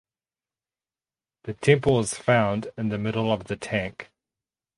The temple is found in the middle of the tank.